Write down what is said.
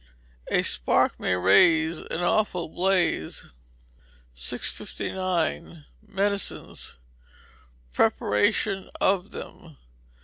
[A SPARK MAY RAISE AN AWFUL BLAZE.] 659. Medicines. Preparations of them.